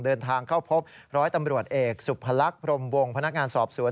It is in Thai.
เดินทางเข้าพบร้อยตำรวจเอกสุพลักษณ์พรมวงพนักงานสอบสวน